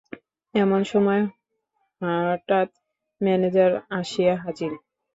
এমন সময়ে হাঠাত ম্যানেজার আসিয়া হাজির।